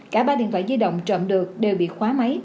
cả ba điện thoại di động trộm được đều bị khóa máy